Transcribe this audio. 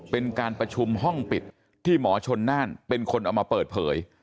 เป็นการประชุมห้องปิดที่หมอชนน่านเป็นคนเอามาเปิดเผย